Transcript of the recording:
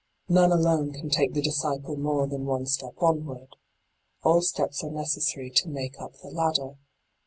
None alone can take the disciple more than one step onward. All steps are necessary to make up the ladder.